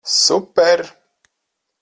Super!